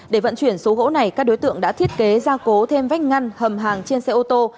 để vận chuyển số gỗ này các đối tượng đã thiết kế ra cố thêm vách ngăn hầm hàng trên xe ô tô